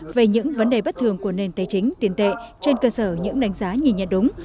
về những vấn đề bất thường của nền tài chính tiền tệ trên cơ sở những đánh giá nhìn nhận đúng